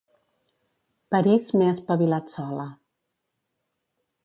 París m'he espavilat sola.